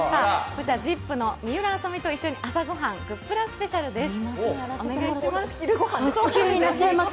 こちら、ＺＩＰ！の水卜あさみと一緒にあさごはんグップラスペシャルです。